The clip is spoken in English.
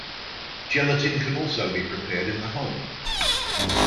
Gelatin also can be prepared in the home.